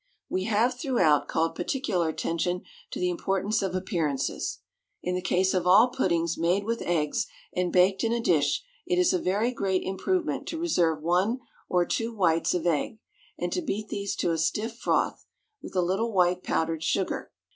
We have, throughout, called particular attention to the importance of appearances. In the case of all puddings made with eggs and baked in a dish, it is a very great improvement to reserve one or two whites of egg, and to beat these to a stiff froth, with a little white powdered sugar.